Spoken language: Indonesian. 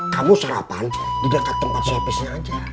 kamu sarapan di dekat tempat serpisnya aja